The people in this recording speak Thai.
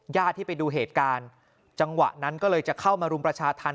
ญาติที่ไปดูเหตุการณ์จังหวะนั้นก็เลยจะเข้ามารุมประชาธรรม